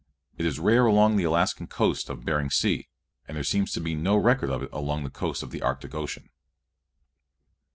It is rare along the Alaskan coast of Bering Sea, and there seems to be no record of it along the coast of the Arctic Ocean.